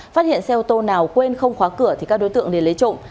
phát hiện xe ô tô nào quên không khóa cửa thì các đối tượng để lấy trộn